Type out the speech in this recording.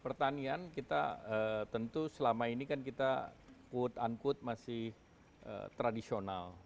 pertanian kita tentu selama ini kan kita quote unquote masih tradisional